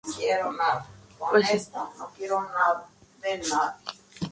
Son relojes de gran precisión utilizados a bordo de los buques.